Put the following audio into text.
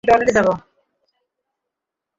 আমি টয়লেটে যাবো।